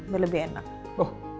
biar lebih enak